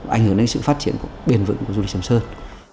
ảnh hưởng đến sự phát triển bền vững của du lịch sầm sơn